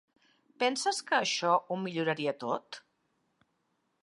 Penses que això ho milloraria tot?